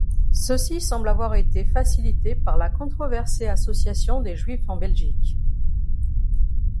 Ceci semble avoir été facilité par la controversée Association des Juifs en Belgique.